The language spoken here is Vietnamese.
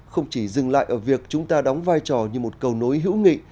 không chỉ dừng lại ở việc chúng ta đóng vai trò như một cầu nối hữu nghị